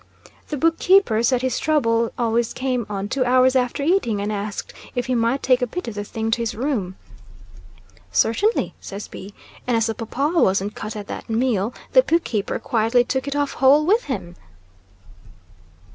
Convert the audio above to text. The book keeper said his trouble always came on two hours after eating, and asked if he might take a bit of the thing to his room. 'Certainly,' says B , and as the paw paw wasn't cut at that meal the book keeper quietly took it off whole with him.